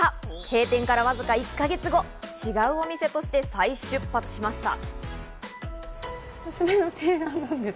閉店からわずか１か月後、違うお店として再出発しました。